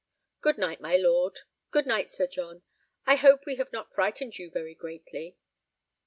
"Good night, my lord; good night, Sir John; I hope we have not frightened you very greatly?"